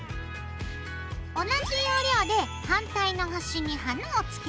同じ要領で反対の端に花をつけて。